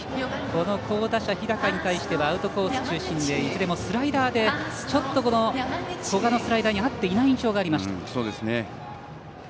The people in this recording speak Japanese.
この好打者、日高に対してはアウトコース中心でいずれもスライダーでちょっと古賀のスライダーに合っていない印象がありました。